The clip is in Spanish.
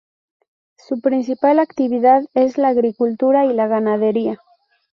Su principal actividad es la agricultura y la ganadería.